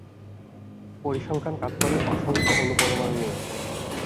পরিসংখ্যান কাজ করে অসংখ্য অণুপরমাণু নিয়ে।